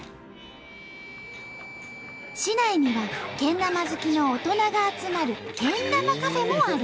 市内にはけん玉好きの大人が集まるけん玉カフェもある。